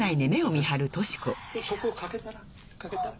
そこかけたらかけたら？